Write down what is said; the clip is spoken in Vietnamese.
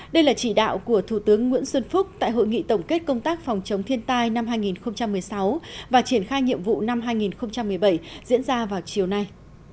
đây là chỉ đạo của thủ tướng nguyễn xuân phúc tại hội nghị tổng kết công tác phòng chống thiên tai năm hai nghìn một mươi sáu và triển khai nhiệm vụ năm hai nghìn một mươi bảy diễn ra vào chiều nay